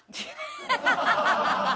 ハハハハ！